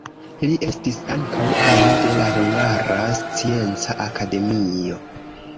Li estis ankaŭ ano de la Hungara Scienca Akademio.